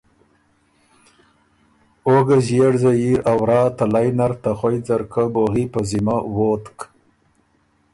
او ګۀ ݫئېړ زئیر ا ورا تلئ نر ته خوئ ځرکۀ بوغی په ذِمه ووتک